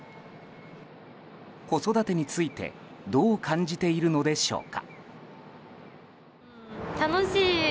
子育てについてどう感じているのでしょうか。